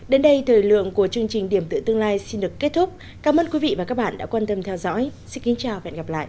đến đây thời lượng của chương trình điểm tựa tương lai xin được kết thúc cảm ơn quý vị và các bạn đã quan tâm theo dõi xin kính chào và hẹn gặp lại